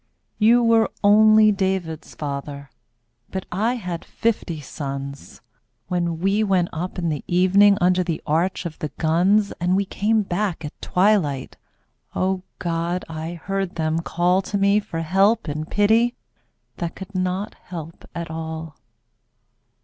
You were, only David's father, But I had fifty sons When we went up in the evening Under the arch of the guns, And we came back at twilight — O God ! I heard them call To me for help and pity That could not help at all.